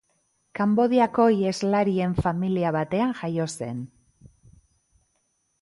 Kanbodiako iheslarien familia batean jaio zen.